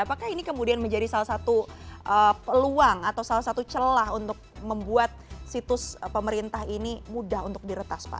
apakah ini kemudian menjadi salah satu peluang atau salah satu celah untuk membuat situs pemerintah ini mudah untuk diretas pak